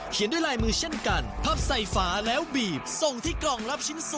ไปติดตามกติกากันเลยครับ